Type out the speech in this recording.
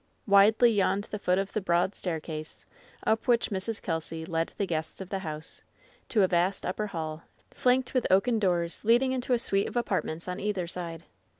Widely yawned the foot of the broad staircase, up which Mrs. Kelsy led the guests of the house, to a vast upper hall, flanked with oaken doors leading into a suit of apartments on either side.